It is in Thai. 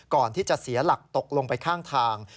ก่อนที่จะเสียหลักตกลงไปข้างทาง